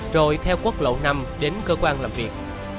rồi theo quốc lộ năm đến cơ quan làm việc